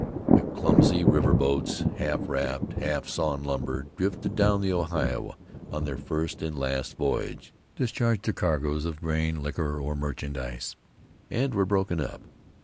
The clumsy river boats, half raft, half sawn lumber, drifted down the Ohio on their first and last voyage, discharged their cargoes of grain, liquor, or merchandise, and were broken up.